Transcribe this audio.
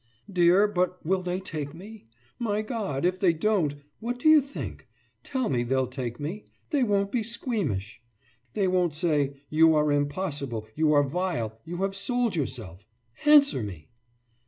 »Dear, but will they take me? My God, if they won't! What do you think? Tell me they'll take me they won't be squeamish! They won't say: You are impossible, you are vile, you have sold yourself! Answer me!